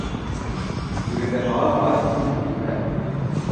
صورت حال آج بھی وہی ہے۔